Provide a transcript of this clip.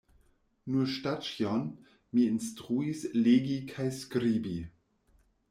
Nur Staĉjon mi instruis legi kaj skribi.